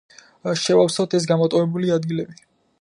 შევავსოთ ეს გამოტოვებული ადგილები.